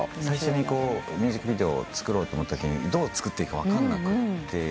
最初にミュージックビデオを作ろうと思ったときにどう作っていいか分かんなくて。